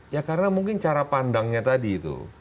ya karena mungkin cara pandangnya tadi itu